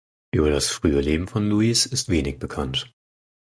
Über das frühe Leben von Louise ist wenig bekannt.